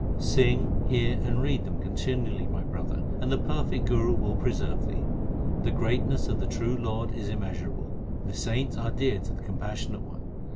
Sing, hear, and read them continually, my brother, and the perfect Guru will preserve thee. The greatness of the true Lord is immeasurable ; the saints are dear to the Compassionate One.